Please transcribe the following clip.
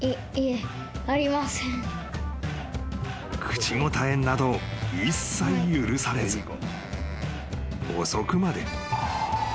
［口答えなど一切許されず遅くまで］